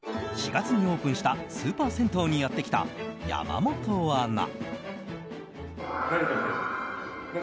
４月にオープンしたスーパー銭湯にやってきた山本アナ。